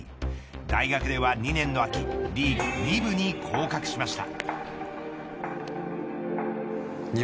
大学では２年の秋リーグ２部に降格しました。